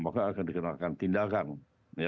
maka akan dikenakan tindakan